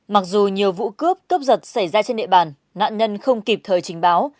mặc dù nhiều vụ cướp cướp giật xảy ra trên địa bàn nạn nhân không kịp thời trình báo